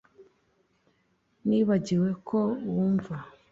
Nibagiwe ko wumva